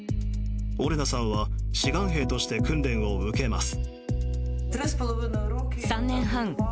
オレナさんは志願兵として訓練を受けます。